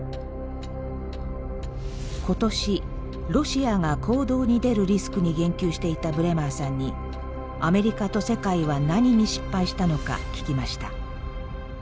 今年「ロシア」が行動に出るリスクに言及していたブレマーさんにアメリカと世界は何に失敗したのか聞きました。